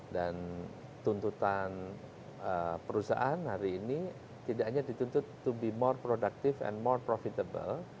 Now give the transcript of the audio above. dan tuntutan perusahaan hari ini tidak hanya dituntut to be more productive and more profitable